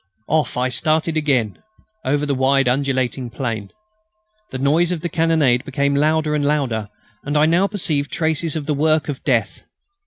Off I started again over the wide undulating plain. The noise of the cannonade became louder and louder, and I now perceived traces of the work of death.